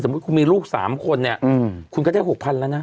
สมมุติคุณมีลูก๓คนคุณก็ได้๖๐๐๐บาทแล้วนะ